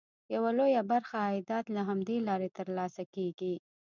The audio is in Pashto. یوه لویه برخه عایدات له همدې لارې ترلاسه کېږي.